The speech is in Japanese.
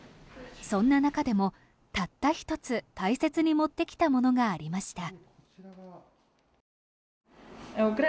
そんな中でも、たった１つ大切に持ってきたものがありました。